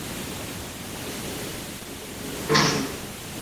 তাঁদের একমাত্র সন্তান রায়ান রিদোয়ান মালিক ঢাকার স্কলাস্টিকা স্কুলে নার্সারিতে পড়ছে।